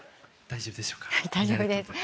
大丈夫です。